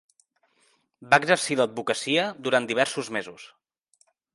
Va exercir l'advocacia durant diversos mesos.